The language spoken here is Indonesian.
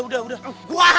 udah udah biarin ya